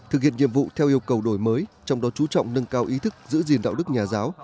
thực hiện nhiệm vụ theo yêu cầu đổi mới trong đó chú trọng nâng cao ý thức giữ gìn đạo đức nhà giáo